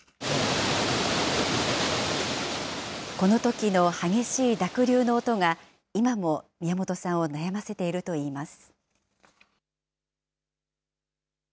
このときの激しい濁流の音が、今も宮本さんを悩ませているといいます。